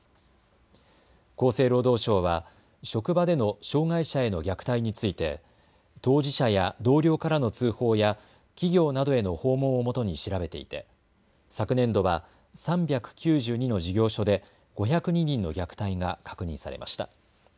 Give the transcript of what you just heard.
厚生労働省は職場での障害者への虐待について当事者や同僚からの通報や企業などへの訪問をもとに調べていて昨年度は３９２の事業所で５０２人の虐待が確認されました。